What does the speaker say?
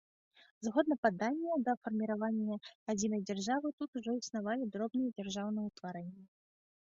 Згодна паданням, да фарміравання адзінай дзяржавы тут ўжо існавалі дробныя дзяржаўныя ўтварэнні.